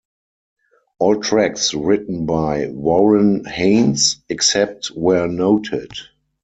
All tracks written by Warren Haynes, except where noted.